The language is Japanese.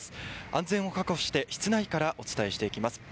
安全を確保して室内からお伝えしていきます。